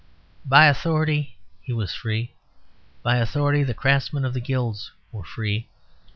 By authority he was free. By authority the craftsmen of the guilds were free.